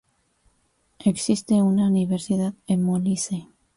Existe una universidad en Molise.